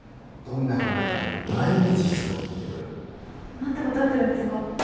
「どんな子なんだ？」って毎日しつこく聞いてくる何て答えてるんですか？